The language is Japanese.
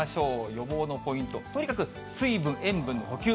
予防のポイント、とにかく水分、塩分補給。